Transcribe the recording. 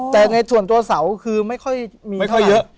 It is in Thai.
แต่ในส่วนตัวเสาคือไม่ค่อยมีเท่าไหร่